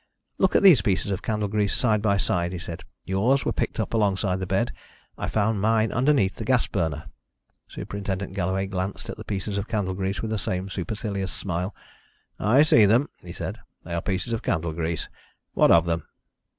"Look at these pieces of candle grease side by side," he said. "Yours were picked up alongside the bed; I found mine underneath the gas burner." Superintendent Galloway glanced at the pieces of candle grease with the same supercilious smile. "I see them," he said. "They are pieces of candle grease. What of them?"